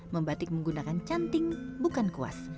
membatik menggunakan cantik bukan kuas